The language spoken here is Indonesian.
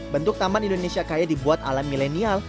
bentuk taman indonesia kaya dibuat ala milenial